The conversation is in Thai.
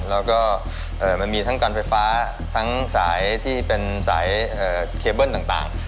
แล้วก็มันมีทั้งการไฟฟ้าทั้งสายที่เป็นสายเคเบิ้ลต่าง